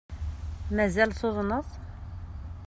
Mazal tuḍneḍ?